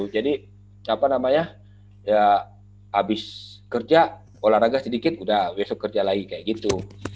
jadi apa namanya ya abis kerja olahraga sedikit udah besok kerja lagi kayak gitu